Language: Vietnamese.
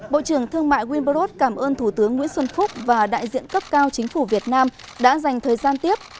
bộ trưởng thương mại winbrod cảm ơn thủ tướng nguyễn xuân phúc và đại diện cấp cao chính phủ việt nam đã dành thời gian tiếp